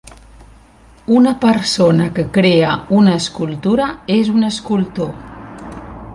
Una persona que crea una escultura és un "escultor".